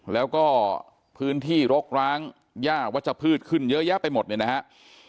แล้วก็พื้นที่รกร้างย่าวัชพืชขึ้นเยอะแยะไปหมดเนี่ยนะครับ